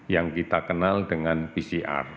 yang kita kenal dengan pcr